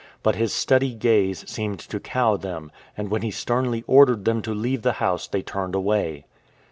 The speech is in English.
But his steady gaze seemed to cow them, and when he sternly ordered them to leave the house they turned away.